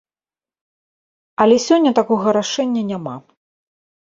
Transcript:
Але сёння такога рашэння няма.